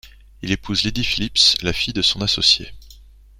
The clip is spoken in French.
Il épouse Lydie Phillips, la fille de son associé.